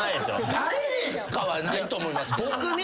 「誰ですか？」はないと思いますけど。